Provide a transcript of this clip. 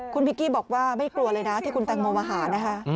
คุณพิกกี้บอกว่าไม่กลัวเลยนะที่คุณแตงโมมาหานะคะ